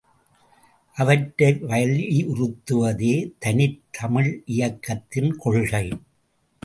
அவற்றை வலியுறுத்துவதே தனித்தமிழியக்கத்தின் கொள்கை.